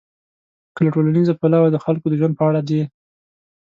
که له ټولنیز پلوه د خلکو د ژوند په اړه دي.